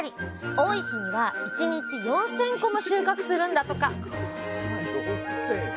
多い日には１日４，０００個も収穫するんだとか！